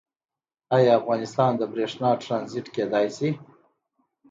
آیا افغانستان د بریښنا ټرانزیټ کیدی شي؟